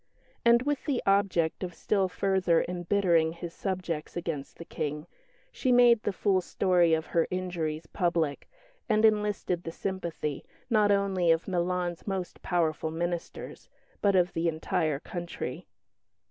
And with the object of still further embittering his subjects against the King she made the full story of her injuries public, and enlisted the sympathy, not only of Milan's most powerful ministers, but of the entire country.